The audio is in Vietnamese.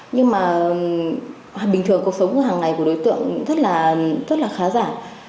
nhưng mà bình thường cuộc sống hàng ngày của đối tượng rất là khá giả